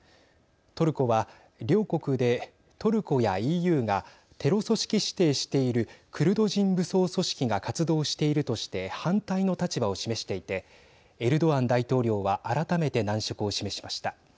トルコは、両国でトルコやＥＵがテロ組織指定しているクルド人武装組織が活動しているとして反対の立場を示していてエルドアン大統領は改めて難色を示しました。